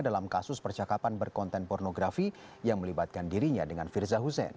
dalam kasus percakapan berkonten pornografi yang melibatkan dirinya dengan firza hussein